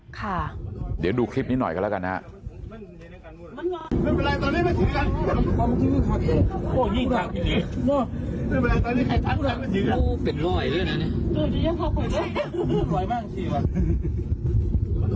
ค่ะเดี๋ยวดูคลิปนี้หน่อยกันแล้วกันนะครับ